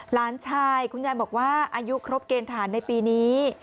หลานชายคุณยายบอกว่าอายุครบเกณฑ์ฐานในปีนี้